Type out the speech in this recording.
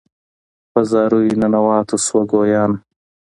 په زاریو ننواتو سوه ګویانه